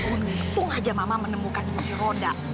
untung aja mama menemukan kunci roda